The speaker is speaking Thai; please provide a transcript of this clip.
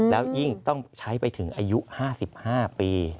แล้วยิ่งต้องใช้ไปถึงอายุ๕๕ปี